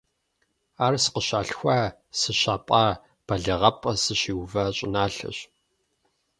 Ар сыкъыщалъхуа, сыщапӏа, балигъыпӏэ сыщиува щӏыналъэщ.